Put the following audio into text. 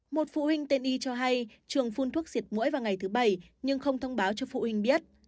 một phụ huynh tên y cho hay trường phun thuốc diệt mũi vào ngày thứ bảy nhưng không thông báo cho phụ huynh biết